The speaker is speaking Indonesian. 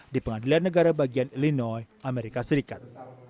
di pengadilan negara bagian illinois amerika serikat